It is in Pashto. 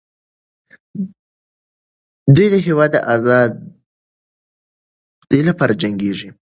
دوی د هېواد د ازادۍ لپاره جنګېږي.